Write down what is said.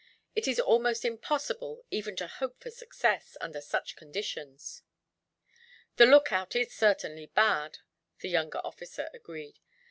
It is almost impossible even to hope for success, under such conditions." "The lookout is certainly bad," the younger officer agreed.